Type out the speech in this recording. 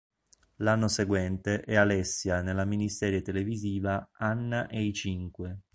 L'anno seguente è Alessia nella miniserie televisiva "Anna e i cinque".